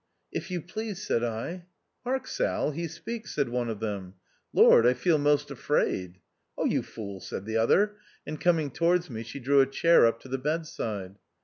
" If you please," said I. " Hark, Sal, he speaks !" said one of them. " Lord ! I feel 'most afraid." " Oh, you fool !" said the other ; and coming towards me she drew a chair up to the bed side.